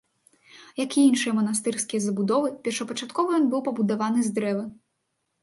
Як і іншыя манастырскія забудовы, першапачаткова ён быў пабудаваны з дрэва.